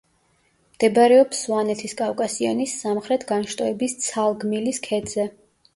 მდებარეობს სვანეთის კავკასიონის სამხრეთ განშტოების ცალგმილის ქედზე.